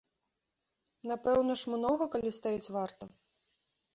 Напэўна ж, многа, калі стаіць варта.